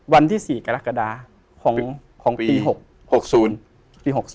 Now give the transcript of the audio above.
วันที่๔กรกฎาของปี๖๐